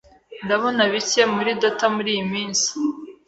Ndabona bike muri data muriyi minsi.